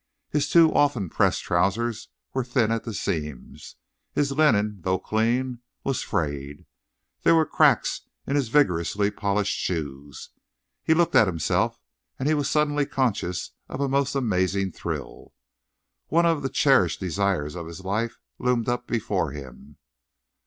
His too often pressed trousers were thin at the seams; his linen, though clean, was frayed; there were cracks in his vigorously polished shoes. He looked at himself, and he was suddenly conscious of a most amazing thrill. One of the cherished desires of his life loomed up before him.